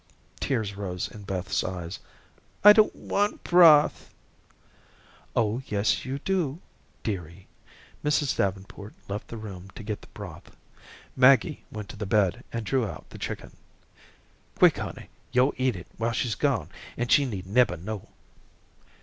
Tears rose in Beth's eyes. "I don't want broth." "Oh, yes, you do, dearie." Mrs. Davenport left the room to get the broth. Maggie went to the bed and drew out the chicken. "Quick, honey, yo' eat it while she's gone and she need neber know."